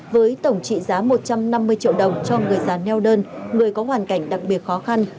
với tổng trị giá một trăm năm mươi triệu đồng cho người già neo đơn người có hoàn cảnh đặc biệt khó khăn